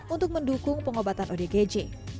untuk mendukung pengobatan odgj